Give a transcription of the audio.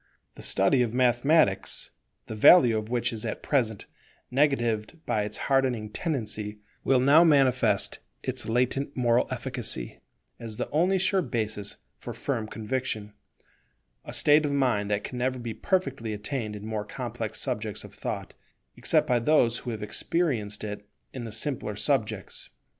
The study of Mathematics, the value of which is at present negatived by its hardening tendency, will now manifest its latent moral efficacy, as the only sure basis for firm conviction; a state of mind that can never be perfectly attained in more complex subjects of thought, except by those who have experienced it in the simpler subjects.